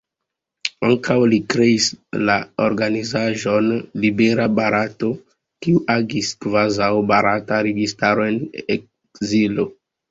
Ankaŭ li kreis la organizaĵon Libera Barato, kiu agis kvazaŭ barata registaro en ekzilo.